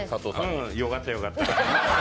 うん、よかった、よかった。